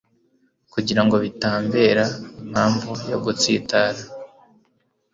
kugira ngo bitambera impamvu yo gutsitara